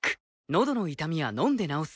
のどの痛みは飲んで治す。